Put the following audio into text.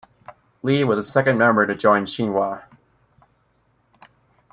Lee was the second member to join Shinhwa.